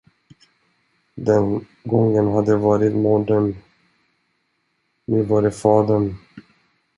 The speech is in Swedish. Den gången hade det varit modern, nu var det fadern.